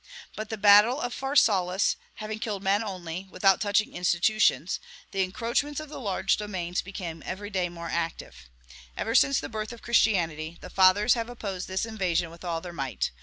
But the battle of Pharsalus, having killed men only, without touching institutions, the encroachments of the large domains became every day more active. Ever since the birth of Christianity, the Fathers have opposed this invasion with all their might.